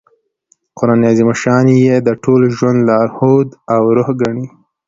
قران عظیم الشان ئې د ټول ژوند لارښود او روح ګڼي.